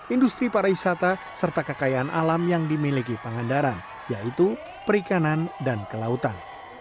industri pariwisata serta kekayaan alam yang dimiliki pangandaran yaitu perikanan dan kelautan